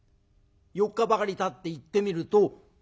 ４日ばかりたって行ってみると。